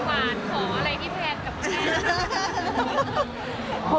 ขออะไรพี่แพงกับแม่